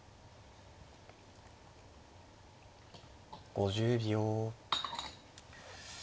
５０秒。